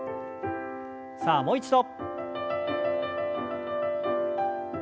さあもう一度。